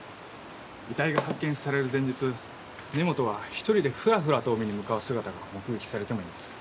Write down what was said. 遺体が発見される前日根本は一人でフラフラと海に向かう姿が目撃されてもいます。